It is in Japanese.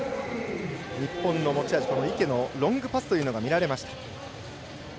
日本の持ち味池のロングパスというのが見られました。